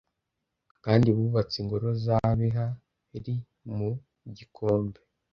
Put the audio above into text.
kandi bubatse ingoro za beha li mu gikombe